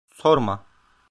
Sorma.